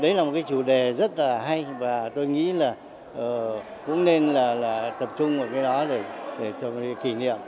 đấy là một cái chủ đề rất là hay và tôi nghĩ là cũng nên là là tập trung vào cái đó để để cho người kỷ niệm